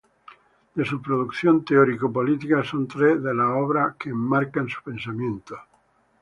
De su producción teórico-política son tres las obras que enmarcan su pensamiento.